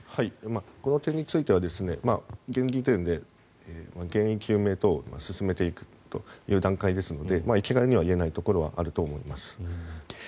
この点については現時点で原因究明等を進めていく段階ですので一概には言えないというところはあると思います。